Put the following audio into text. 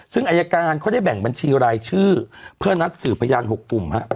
ซึ่งอายการเขาได้แบ่งบัญชีรายชื่อเพื่อนัดสืบพยาน๖กลุ่มครับ